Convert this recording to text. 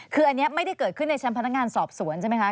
คืออันนี้ไม่ได้เกิดขึ้นในชั้นพนักงานสอบสวนใช่ไหมคะ